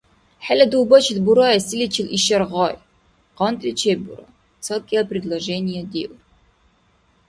ХӀела дугьбачил бура селичила ишар гъай? КъантӀли чеббура, ца-кӀел предложение диур